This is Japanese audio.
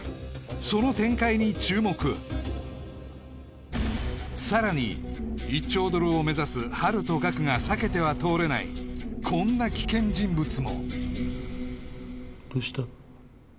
その展開に注目さらに１兆ドルを目指すハルとガクが避けては通れないこんな危険人物もどうした？